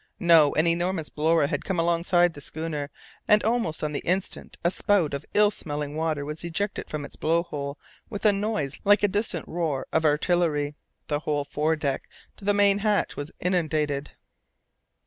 No, an enormous blower had come alongside the schooner, and almost on the instant a spout of ill smelling water was ejected from its blow hole with a noise like a distant roar of artillery. The whole foredeck to the main hatch was inundated.